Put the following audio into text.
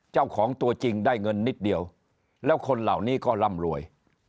เจ้าของตัวจริงได้เงินนิดเดียวแล้วคนเหล่านี้ก็ร่ำรวย